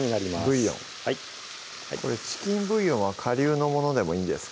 ブイヨンこれチキンブイヨンはかりゅうのものでもいいですか？